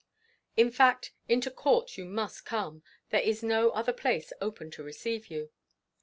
In fact, into court you must come, there is no other place open to receive you.